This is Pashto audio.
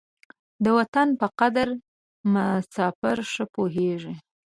د وطن په قدر مساپر ښه پوهېږي.